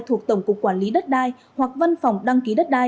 thuộc tổng cục quản lý đất đai hoặc văn phòng đăng ký đất đai